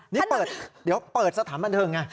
เดี๋ยวเปิดสถานบันเทิง